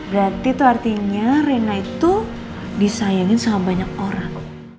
berarti tuh artinya rena itu disayangin sama banyak orang